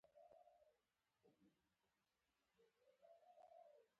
ښه مزل طی کولو وروسته، یوې بلې اورګاډي پټلۍ.